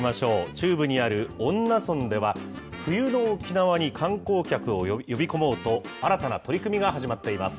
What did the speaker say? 中部にある恩納村では、冬の沖縄に観光客を呼び込もうと、新たな取り組みが始まっています。